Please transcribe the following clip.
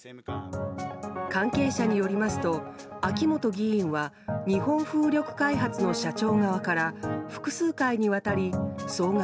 関係者によりますと、秋本議員は日本風力開発の社長側から複数回にわたり総額